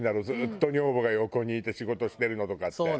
ずっと女房が横にいて仕事してるのとかって。